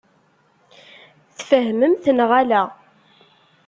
Tfehmemt neɣ ala?